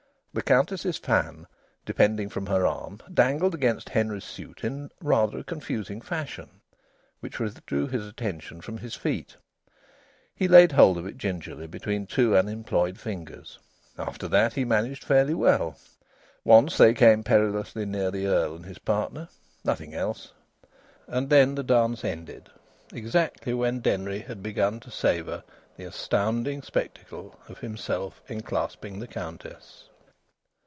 The Countess's fan, depending from her arm, dangled against Denry's suit in a rather confusing fashion, which withdrew his attention from his feet. He laid hold of it gingerly between two unemployed fingers. After that he managed fairly well. Once they came perilously near the Earl and his partner; nothing else. And then the dance ended, exactly when Denry had begun to savour the astounding spectacle of himself enclasping the Countess.